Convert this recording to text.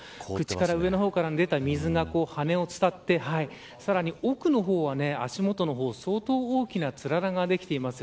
上の方から出た水が羽を伝ってさらに奥の方は足元の方相当大きなつららができています。